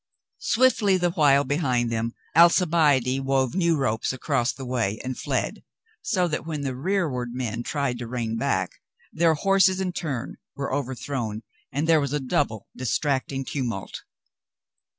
Swiftly the while behind them Alcibiade wove new ropes across the way and fled, so that when the rearward men tried to rein back, their horses in turn were overthrown, and there was a double dis tracting tumult.